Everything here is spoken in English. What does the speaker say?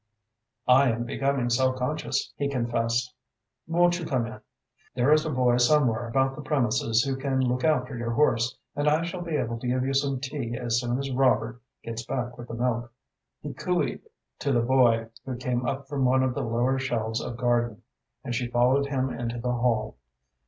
"I am becoming self conscious," he confessed. "Won't you come in? There is a boy somewhere about the premises who can look after your horse, and I shall be able to give you some tea as soon as Robert gets back with the milk." He cooeed to the boy, who came up from one of the lower shelves of garden, and she followed him into the hall.